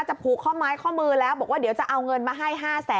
ผูกข้อไม้ข้อมือแล้วบอกว่าเดี๋ยวจะเอาเงินมาให้๕แสน